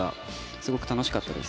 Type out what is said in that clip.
すごく楽しかったです。